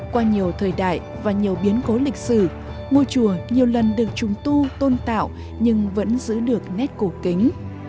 qua nhiều thời đại và nhiều biến cố lịch sử ngôi chùa nhiều lần được trùng tu tôn tạo nhưng vẫn giữ được nét cổ kính